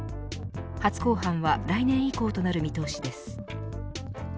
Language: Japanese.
初公判は来年以降となる見通しです。